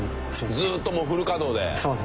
ずーっともうフル稼働で。